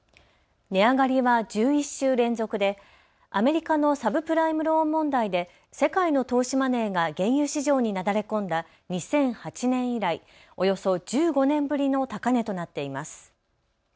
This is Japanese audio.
値上がりは１１週連続でアメリカのサブプライムローン問題で世界の投資マネーが原油市場に流れ込んだ２００８年以来、およそ１５年ぶりの高値となっています。